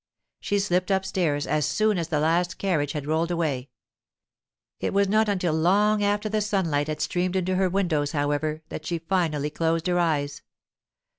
She slipped upstairs as soon as the last carriage had rolled away; it was not until long after the sunlight had streamed into her windows, however, that she finally closed her eyes.